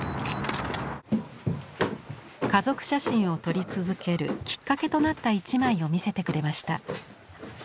家族写真を撮り続けるきっかけとなった一枚を見せてくれました。